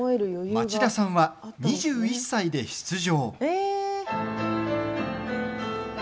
町田さんは２１歳で出場。